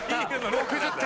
６０点！